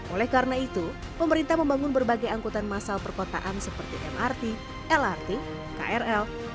oleh karena itu pemerintah membangun berbagai angkutan masal perkotaan seperti mrt lrt krl